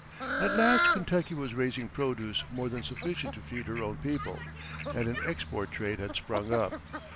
At last Kentucky was raising produce more than sufficient to feed her own people, and an export trade had sprung up.